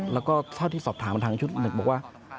แล้วก็เท่าที่สอบถามมาทางชุดหนึ่งบอกว่า